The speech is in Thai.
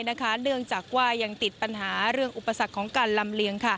เนื่องจากว่ายังติดปัญหาเรื่องอุปสรรคของการลำเลียง